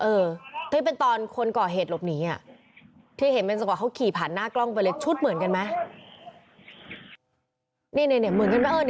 เออที่เป็นตอนคนก่อเหตุหลบหนีที่เห็นเป็นจังหวะเขาขี่ผ่านหน้ากล้องไปเลยชุดเหมือนกันไหม